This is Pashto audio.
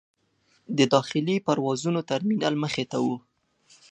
د داخلي پروازونو ترمینل مخې ته و.